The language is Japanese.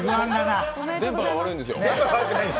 電波が悪いんですよ。